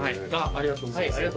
ありがとうございます。